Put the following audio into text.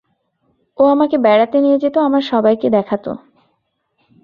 ও আমাকে বেড়াতে নিয়ে যেত আমার সবাইকে দেখাতো।